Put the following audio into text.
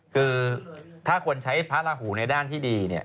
คือถ้าคนใช้พระราหูในด้านที่ดีเนี่ย